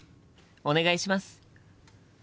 お願いします！